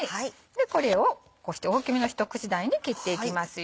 これをこうして大きめのひと口大に切っていきますよ。